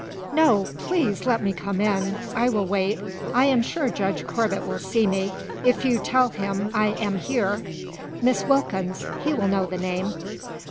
"No! please let me come in. I will wait. I am sure Judge Corbet will see me, if you will tell him I am here. Miss Wilkins. He will know the name."